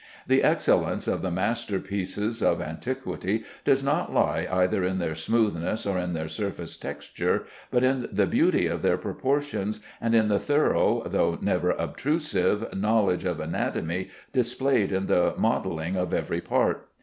The excellence of the masterpieces of antiquity does not lie either in their smoothness or in their surface texture, but in the beauty of their proportions, and in the thorough though never obtrusive knowledge of anatomy displayed in the modelling of every part.